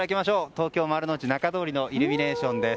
東京・丸の内、中通りのイルミネーションです。